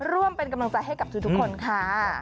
ร่วมเป็นกำลังใจให้กับทุกคนค่ะ